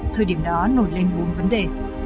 thời điểm đó nổi lên bốn vấn đề